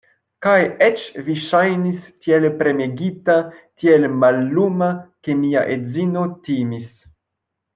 Kaj eĉ vi ŝajnis tiel premegita, tiel malluma, ke mia edzino timis.